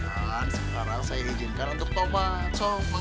jangan sekarang saya izinkan untuk tobat